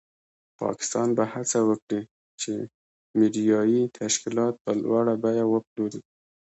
پاکستان به هڅه وکړي چې میډیایي تشکیلات په لوړه بیه وپلوري.